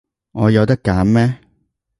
我有得揀咩？